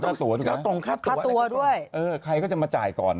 ต้องต่งค่าตัวค่าตัวด้วยเออใครก็จะมาจ่ายก่อน